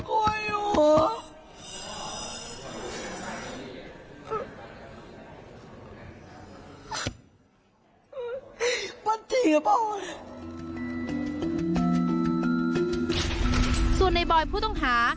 กลับไปฮะล่ะ